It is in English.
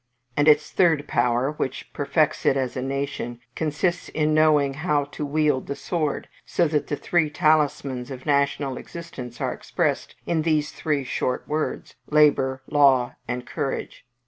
And its third power, which perfects it as a nation, consist in knowing how to wield the sword, so that the three talismans of national existence are expressed in these three short words Labour, Law, and Courage.